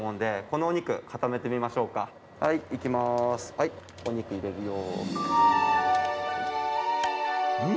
はいお肉入れるよ。